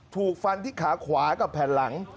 ถูกฟันที่ขาขวากับแผ่นหลัง